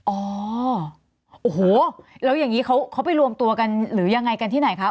อ๋อโอ้โหแล้วอย่างนี้เขาไปรวมตัวกันหรือยังไงกันที่ไหนคะ